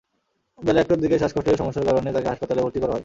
বেলা একটার দিকে শ্বাসকষ্টের সমস্যার কারণে তাঁকে হাসপাতালে ভর্তি করা হয়।